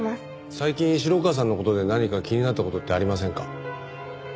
最近城川さんの事で何か気になった事ってありませんか？